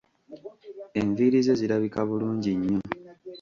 Enviiri ze zirabika bulungi nnyo.